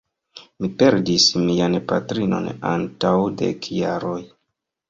Mi perdis mian patrinon antaŭ dek jaroj.